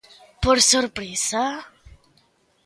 ¿Por sorpresa?